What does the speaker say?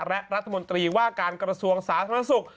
และรัฐมนตรีว่าการกระทรวงสาธารณสุข